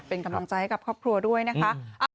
เป็นกำลังใจให้กับครอบครัวด้วยนะคะ